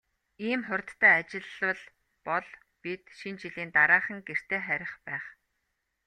Ийм хурдтай ажиллавал бол бид Шинэ жилийн дараахан гэртээ харих байх.